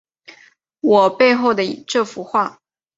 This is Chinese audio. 我背后的这幅画